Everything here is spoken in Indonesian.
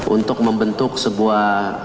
untuk membentuk sebuah